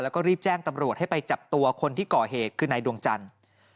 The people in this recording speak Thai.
แล้วก็รีบแจ้งตำรวจให้ไปจับตัวคนที่ก่อเหตุคือนายดวงจันทร์